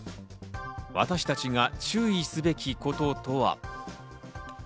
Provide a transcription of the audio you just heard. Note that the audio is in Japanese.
私たちが注意すべきこととは？